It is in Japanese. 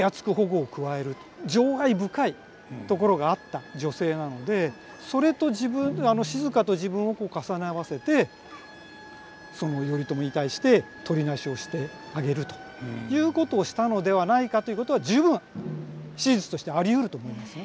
情愛深いところがあった女性なのでそれと自分静と自分を重ね合わせて頼朝に対してとりなしをしてあげるということをしたのではないかということは十分史実としてありうると思いますね。